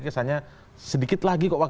kesannya sedikit berbeda